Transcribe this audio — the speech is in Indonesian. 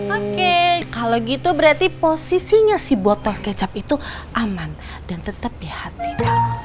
oke kalau gitu berarti posisinya si botol kecap itu aman dan tetap di hati